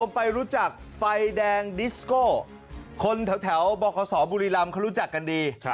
ไปรู้จักไฟแดงดิสโก้คนแถวบคศบุรีรำเขารู้จักกันดี